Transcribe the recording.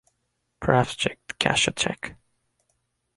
Perhaps Jake'd cash a check.